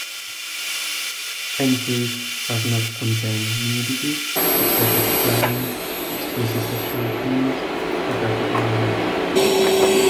Entries must not contain nudity, excessive swearing, explicit sexual themes or graphic violence.